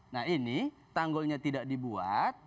nah ini tanggulnya tidak dibuat